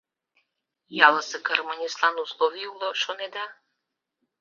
Ялысе гармонистлан условий уло, шонеда?